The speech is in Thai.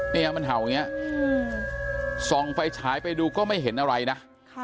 เนี่ยมันเห่าอย่างนี้ส่องไฟฉายไปดูก็ไม่เห็นอะไรนะ